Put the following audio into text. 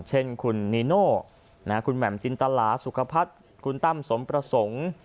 เช่นคุณนีโน่คุณแหม่มจินตลาสุขภัทรคุณตั้มสมประสงค์